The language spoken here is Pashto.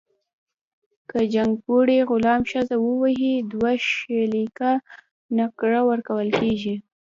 که جګپوړي غلام ښځه ووهي، دوه شِکِله نقره ورکړل شي.